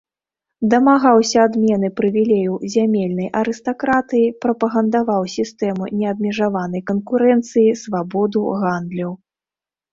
Дамагаўся адмены прывілеяў зямельнай арыстакратыі, прапагандаваў сістэму неабмежаванай канкурэнцыі, свабоду гандлю.